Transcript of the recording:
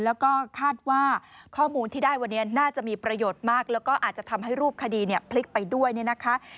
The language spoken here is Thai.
แล้วก็คาดว่าข้อมูลที่ได้วันนี้น่าจะมีประโยชน์มากแล้วก็อาจจะทำให้รูปคดีเนี่ยพลิกไปด้วยเนี่ยนะคะ